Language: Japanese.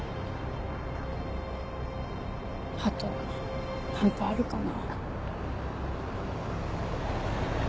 あと何かあるかな。